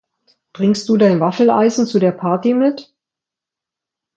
Bringst du dein Waffeleisen zu der Party mit?